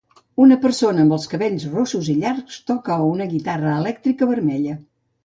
Una persona amb els cabells rossos i llargs toca una guitarra elèctrica vermella.